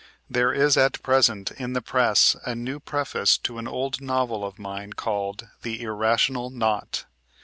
There is at present in the press a new preface to an old novel of mine called "The Irrational Knot."